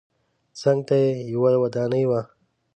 څنګ ته یې یوه ودانۍ وه.